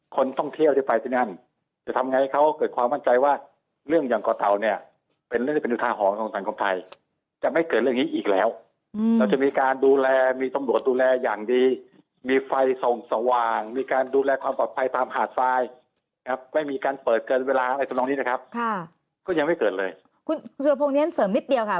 คนต้องเที่ยวที่ไปที่นั้นจะทำยังไงให้เขาเกิดความมั่นใจว่า